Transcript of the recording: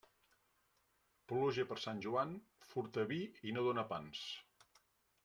Pluja per Sant Joan, furta vi i no dóna pans.